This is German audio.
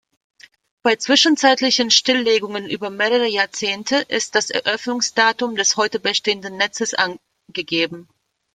Bei zwischenzeitlichen Stilllegungen über mehrere Jahrzehnte ist das Eröffnungsdatum des heute bestehenden Netzes angegeben.